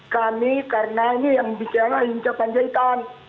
kami karenanya yang bicara hincapan jahitan